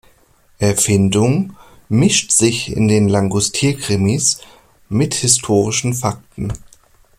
Erfindung mischt sich in den Langustier-Krimis mit historischen Fakten.